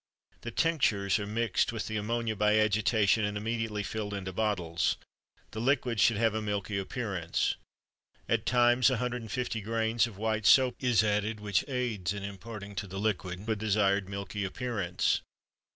The tinctures are mixed with the ammonia by agitation and immediately filled into bottles; the liquid should have a milky appearance. At times 150 grains of white soap is added which aids in imparting to the liquid the desired milky appearance.